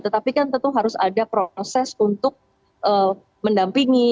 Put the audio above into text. tetapi kan tentu harus ada proses untuk mendampingi